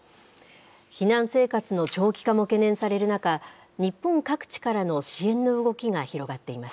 避難生活の長期化も懸念される中、日本各地からの支援の動きが広がっています。